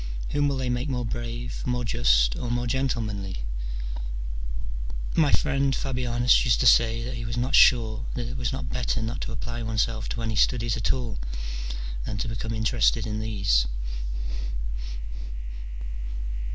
whom will they make more brave, more just, or more gentlemanly ? My friend Fabianus used to say that he was not sure that it was not better not to apply oneself to any studies at all than to become interested in these.